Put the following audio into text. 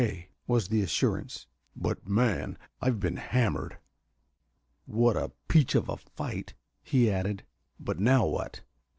K.," was the assurance. "But, man, I've been hammered!" "What a peach of a fight," he added. "But now what?"